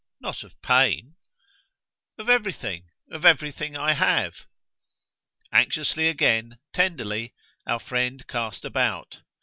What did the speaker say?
Not of pain?" "Of everything. Of everything I have." Anxiously again, tenderly, our friend cast about.